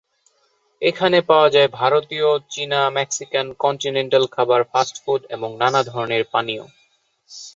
এখানে পাওয়া যায় ভারতীয়, চীনা, মেক্সিকান, কন্টিনেন্টাল খাবার, ফাস্টফুড এবং নানা ধরনের পানীয়।